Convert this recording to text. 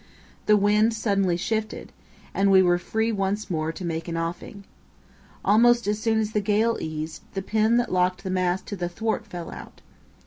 The wind suddenly shifted, and we were free once more to make an offing. Almost as soon as the gale eased, the pin that locked the mast to the thwart fell out.